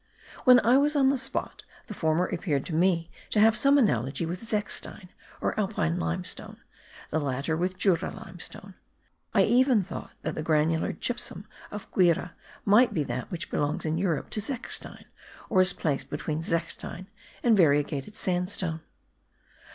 When I was on the spot the former appeared to me to have some analogy with zechstein, or Alpine limestone; the latter with Jura limestone; I even thought that the granular gypsum of Guire might be that which belongs in Europe to zechstein, or is placed between zechstein and variegated sandstone.